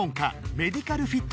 メディカルフィット